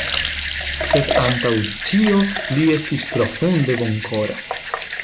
Sed antaŭ ĉio li estis profunde bonkora.